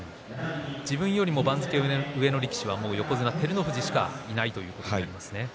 自分より番付が上の力士は横綱照ノ富士しかいないということです。